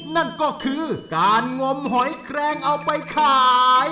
นั่นก็คือการงมหอยแครงเอาไปขาย